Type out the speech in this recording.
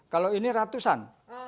kalau ini ratusan